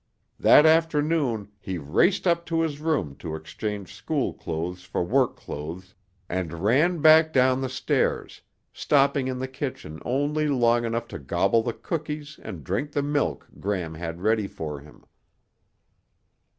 That afternoon he raced up to his room to exchange school clothes for work clothes and ran back down the stairs, stopping in the kitchen only long enough to gobble the cookies and drink the milk Gram had ready for him.